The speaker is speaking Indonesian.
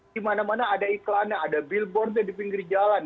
di mana mana ada iklannya ada billboardnya di pinggir jalan